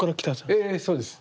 ええそうです。